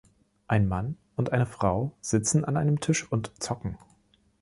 Ein Mann und eine Frau sitzen an einem Tisch und zocken.